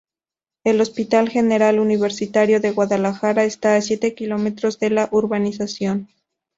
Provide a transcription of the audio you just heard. El Hospital General Universitario de Guadalajara está a siete kilómetros de la urbanización.